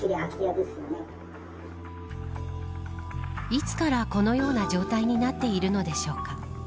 いつからこのような状態になっているのでしょうか。